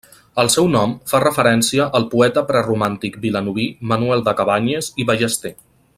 El seu nom fa referència al poeta preromàntic vilanoví Manuel de Cabanyes i Ballester.